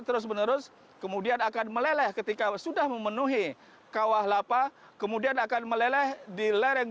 terus menerus kemudian akan meleleh ketika sudah memenuhi kawah lapa kemudian akan meleleh di lereng